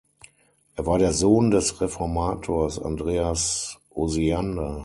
Er war der Sohn des Reformators Andreas Osiander.